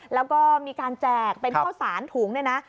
แล้วก็มีการแจกเป็นข้าวสารถุงเนี่ยนะ